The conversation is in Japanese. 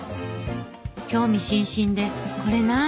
興味津々で「これ何？」